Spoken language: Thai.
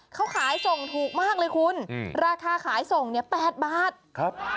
เขาขายส่งถูกมากเลยคุณอืมราคาขายส่งเนี่ยแปดบาทครับ